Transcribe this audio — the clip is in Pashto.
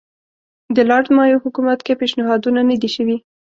د لارډ مایو حکومت کې پېشنهادونه نه دي شوي.